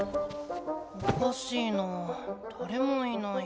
おかしいなぁだれもいない。